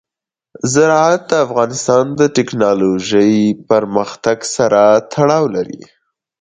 زراعت د افغانستان د تکنالوژۍ پرمختګ سره تړاو لري.